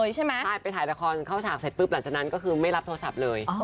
ใช่ไปถ่ายละครเข้าสมัครหลังจากนั้นก็ไม่รับโทรศัพท์เลย